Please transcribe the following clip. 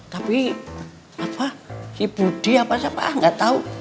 tapi apa si budi apa siapa gak tau